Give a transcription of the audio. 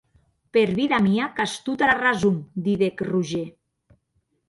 Per vida mia qu’as tota era rason, didec Roger.